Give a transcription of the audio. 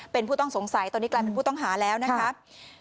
เป็นผู้ต้องสงสัยตอนนี้กลายเป็นผู้ต้องหาแล้วนะครับ